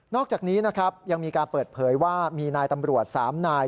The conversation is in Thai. อกจากนี้นะครับยังมีการเปิดเผยว่ามีนายตำรวจ๓นาย